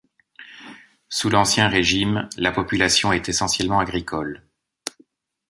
Sous l'Ancien Régime, la population est essentiellement agricole.